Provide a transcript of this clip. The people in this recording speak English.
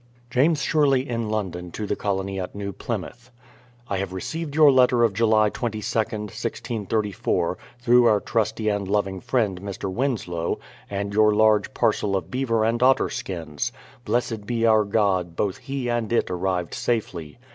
James Sherley in London to the Colony at New Plymouth: I have received your letter of July 22nd, 1634, through our trusty and loving friend, Mr. Winslow, and your large parcel of beaver and otter skins. Blessed be our God, both he and it arrived safely.